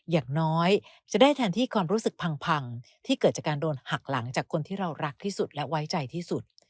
อย่างน้อยจะได้แทนที่ความรู้สึกพังที่เกิดจากการโดนหักหลังจากคนที่เรารักที่สุดและไว้ใจที่สุด